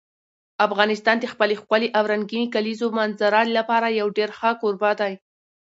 افغانستان د خپلې ښکلې او رنګینې کلیزو منظره لپاره یو ډېر ښه کوربه دی.